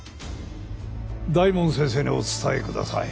大門先生にお伝えください。